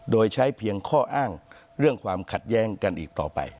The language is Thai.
โดยใช้เพียงข้ออ้างเรื่องความขัดแย้งกันอีกต่อไป